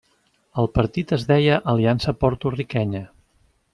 El partit es deia Aliança Porto-riquenya.